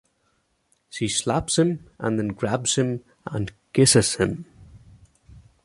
She slaps him and then grabs him and kisses him.